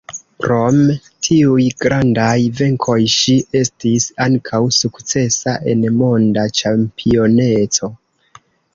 Krom tiuj grandaj venkoj ŝi estis ankaŭ sukcesa en Monda ĉampioneco.